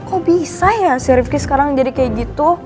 kok bisa ya sih rifki sekarang jadi kayak gitu